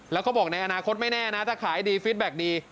แล้วก็บอกในอนาคตไม่แน่นะถ้าขายดีฟิตแบ็คดี